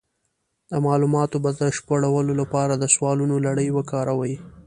د معلوماتو د بشپړولو لپاره د سوالونو لړۍ وکاروئ.